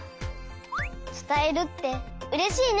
つたえるってうれしいね！